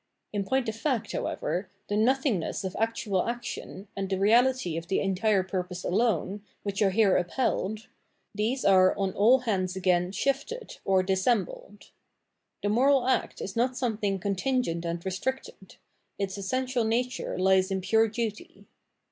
In point of fact, however, the nothingness of actual action and the reahty of the entire purpose alone, which are here up held — these are on all hands again " shifted " or dis sembled. The moral act is not something contingent and restricted ; its essential nature lies in pure duty.